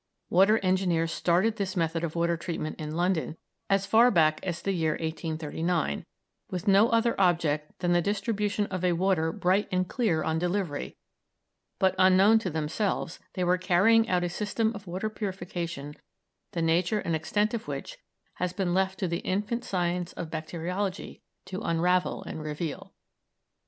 Water engineers started this method of water treatment in London as far back as the year 1839, with no other object than the distribution of a water bright and clear on delivery, but, unknown to themselves, they were carrying out a system of water purification the nature and extent of which has been left to the infant science of bacteriology to unravel and reveal.